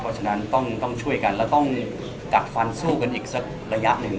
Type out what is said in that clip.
เพราะฉะนั้นต้องช่วยกันแล้วต้องกัดฟันสู้กันอีกสักระยะหนึ่ง